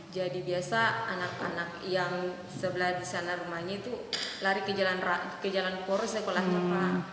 jadi biasa anak anak yang sebelah di sana rumahnya itu lari ke jalan poros sekolah cepat